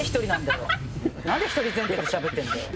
なんで１人前提でしゃべってんだよ。